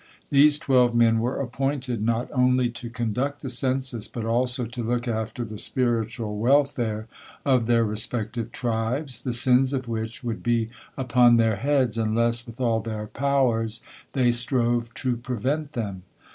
These twelve men were appointed not only to conduct the census, but also to look after the spiritual welfare of their respective tribes, the sins of which would be upon their heads unless, with all their powers, they strove to prevent them.